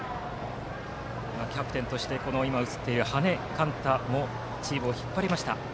キャプテンとして羽根勘太もチームを引っ張りました。